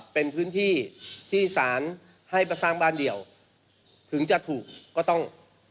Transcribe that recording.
เป็นพื้นที่ที่สารให้มาสร้างบ้านเดียวถึงจะถูกก็ต้อง